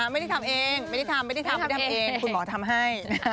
ไม่ได้ทำเองคุณหมอทำให้